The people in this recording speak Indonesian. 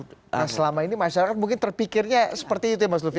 nah selama ini masyarakat mungkin terpikirnya seperti itu ya mas lufi